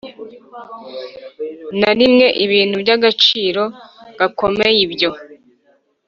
na rimwe ibintu by agaciro gakomeye Ibyo